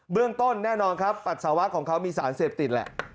เรื่องต้นแน่นอนครับปัสสาวะของเขามีสารเสพติดแหละ